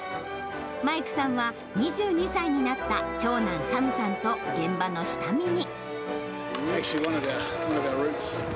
マイクさんは、２２歳になった長男、サムさんと現場の下見に。